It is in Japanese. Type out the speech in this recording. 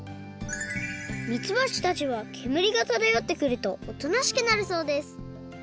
みつばちたちはけむりがただよってくるとおとなしくなるそうです。